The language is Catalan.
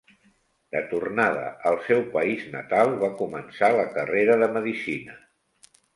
De tornada al seu país natal, va començar la carrera de medicina.